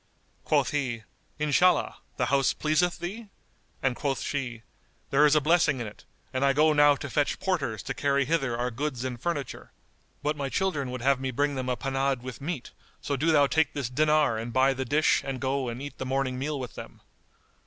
Quoth he, "Inshallah, the house pleaseth thee?"; and quoth she, "There is a blessing in it; and I go now to fetch porters to carry hither our goods and furniture. But my children would have me bring them a panade with meat; so do thou take this dinar and buy the dish and go and eat the morning meal with them."